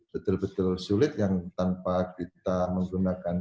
betul betul sulit yang tanpa kita menggunakan